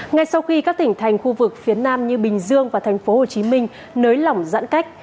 ngay sau khi các tỉnh thành khu vực phía nam như bình dương và thành phố hồ chí minh nới lỏng giãn cách